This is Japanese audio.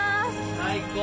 ・最高！